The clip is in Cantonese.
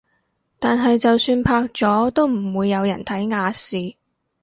但係就算拍咗都唔會有人睇亞視